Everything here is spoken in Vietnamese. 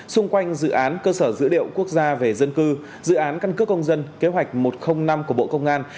xung quanh dự án cơ sở dữ liệu quốc gia về dân cư dự án căn cước công dân kế hoạch một trăm linh năm của bộ công an